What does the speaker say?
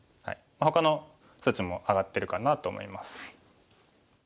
ほかの数値も上がってるかなと思います。